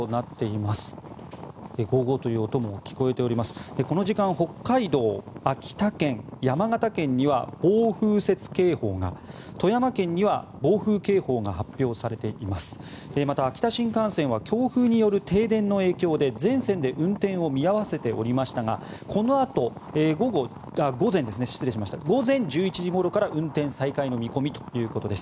また、秋田新幹線は強風による停電の影響で全線で運転を見合わせておりましたがこのあと午前１１時ごろから運転再開の見込みということです。